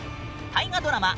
大河ドラマ